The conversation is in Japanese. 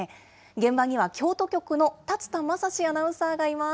現場には京都局の竜田理史アナウンサーがいます。